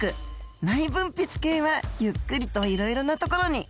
内分泌系はゆっくりといろいろなところに。